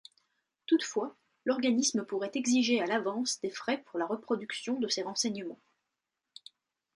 Toutefois, l’organisme pourrait exiger à l’avance des frais pour la reproduction de ces renseignement.